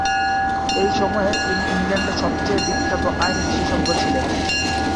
এই সময়ে, তিনি ইংল্যান্ডে সবচেয়ে বিখ্যাত আইন বিশেষজ্ঞ ছিলেন।